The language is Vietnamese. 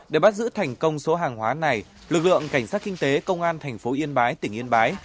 để bắt giữ thành công số hàng hóa này lực lượng cảnh sát kinh tế công an thành phố yên bái tỉnh yên bái